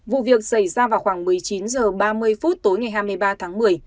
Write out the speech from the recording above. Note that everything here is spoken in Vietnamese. vụ việc xảy ra vào khoảng một mươi chín h ba mươi phút tối ngày hai mươi ba tháng một mươi